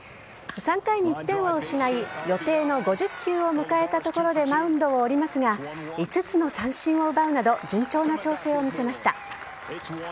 ３回に１点を失い、予定の５０球を迎えたところでマウンドを降りますが、５つの三振を奪うなど、順調な調整を見せました。